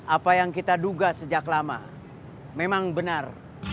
apa yang kita duga sejak lama memang benar